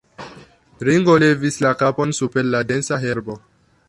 Ringo levis la kapon super la densa herbo.